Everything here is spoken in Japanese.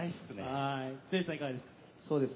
剛さん、いかがですか？